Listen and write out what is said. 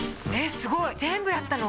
すごい全部やったの？